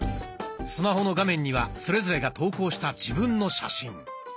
スマホの画面にはそれぞれが投稿した自分の写真。